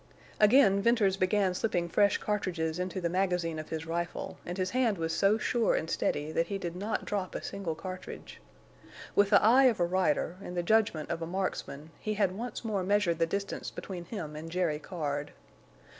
Again Venters began slipping fresh cartridges into the magazine of his rifle, and his hand was so sure and steady that he did not drop a single cartridge. With the eye of a rider and the judgment of a marksman he once more measured the distance between him and Jerry Card.